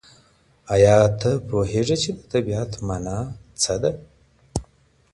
ایا ته پوهېږې چې د طبیعت مانا څه ده؟